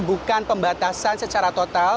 bukan pembatasan secara total